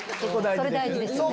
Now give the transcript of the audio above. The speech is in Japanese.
そこ大事ですよね。